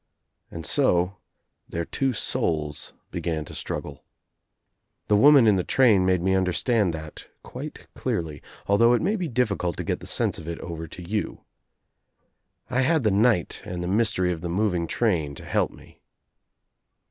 And so their two souls began to struggle. The woman in the train made me understand that quite clearly, although it may be difficult to get the sense of it over to you. I had the night and the mystery of the moving train to help me.